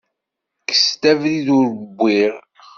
Kkes-d abrid ur wwiɣ.